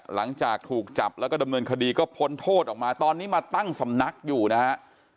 หลังจากถูกจับแล้วก็ดำเนินคดีก็พ้นโทษออกมาตอนนี้มาตั้งสำนักอยู่นะฮะ